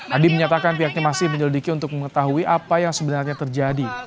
adi menyatakan pihaknya masih menyelidiki untuk mengetahui apa yang sebenarnya terjadi